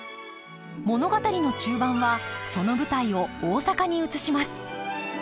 物語の中盤はその舞台を大阪に移します。